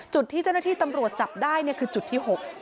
จุดที่เจ้าหน้าที่ตำรวจจับได้คือจุดที่๖